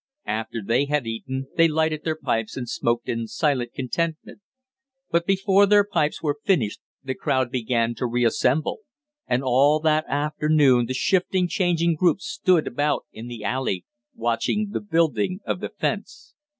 After they had eaten, they lighted their pipes and smoked in silent contentment; but before their pipes were finished the crowd began to reassemble, and all that afternoon the shifting changing groups stood about in the alley, watching the building of the fence.